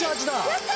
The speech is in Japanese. やった！